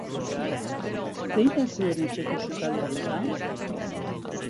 Zein da zuen etxeko sukaldaria?